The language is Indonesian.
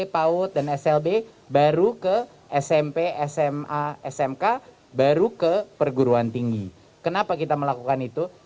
paut dan slb baru ke smp sma smk baru ke perguruan tinggi kenapa kita melakukan itu